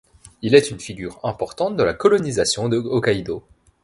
Il est une figure importante de la colonisation de Hokkaido.